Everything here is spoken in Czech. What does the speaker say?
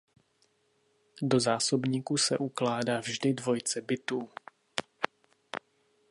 Do zásobníku se ukládá vždy dvojice bytů.